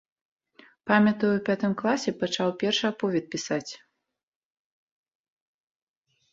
Памятаю ў пятым класе пачаў першы аповед пісаць.